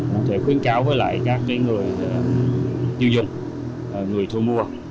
cũng thể khuyến cáo với lại các người tiêu dùng người thu mua